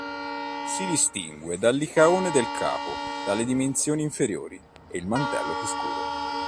Si distingue dal licaone del Capo dalle dimensioni inferiori e il mantello più scuro.